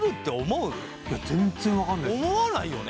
いや全っ然分かんないっすね